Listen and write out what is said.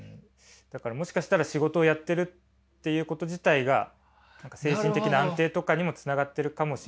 だからもしかしたら仕事をやってるっていうこと自体が精神的な安定とかにもつながってるかもしれない。